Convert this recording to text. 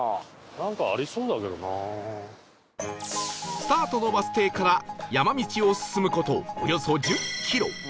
スタートのバス停から山道を進む事およそ１０キロ